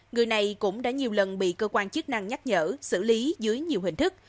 người này cũng đã nhiều lần bị cơ quan chức năng nhắc nhở xử lý dưới nhiều hình thức